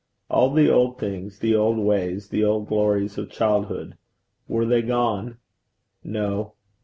All the old things, the old ways, the old glories of childhood were they gone? No.